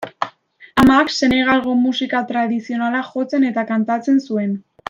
Amak Senegalgo musika tradizionala jotzen eta kantatzen zuen.